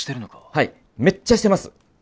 はいめっちゃしてます！